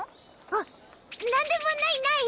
あっ何でもないない！